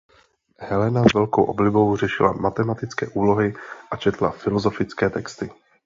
Helena s velkou oblibou řešila matematické úlohy a četla filozofické texty.